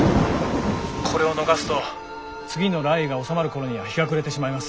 これを逃すと次の雷雨が収まる頃には日が暮れてしまいます。